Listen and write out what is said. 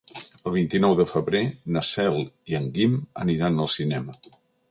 El vint-i-nou de febrer na Cel i en Guim aniran al cinema.